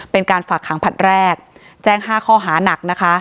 เป็นการฝักหางผัดแรกแจ้ง๕ข้อหานัก